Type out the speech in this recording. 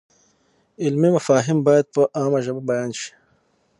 علمي مفاهیم باید په عامه ژبه بیان شي.